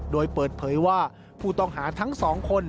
โดยเปิดเผยว่าผู้ต้องหาทั้งสองคน